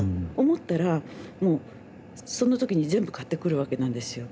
思ったらもうその時に全部買ってくるわけなんですよ。